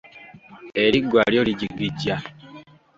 Eriggwa lyo lijigija.